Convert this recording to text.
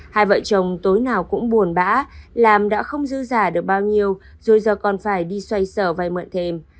hai vợ chồng tối nào cũng buồn bã làm đã không dư giả được bao nhiêu rồi giờ còn phải đi xoay sở vay mượn thêm